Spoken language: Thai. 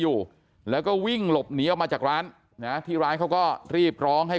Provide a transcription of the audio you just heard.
อยู่แล้วก็วิ่งหลบหนีออกมาจากร้านนะที่ร้านเขาก็รีบร้องให้